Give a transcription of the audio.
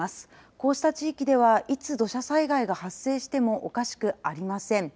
こうした地域ではいつ土砂災害が発生してもおかしくありません。